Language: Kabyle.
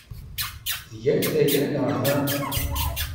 Tgamt aya, neɣ uhu?